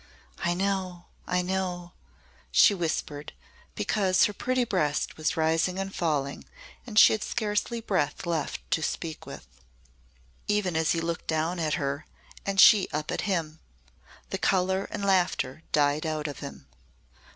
"I know! I know!" she whispered, because her pretty breast was rising and falling, and she had scarcely breath left to speak with. Even as he looked down at her, and she up at him, the colour and laughter died out of him.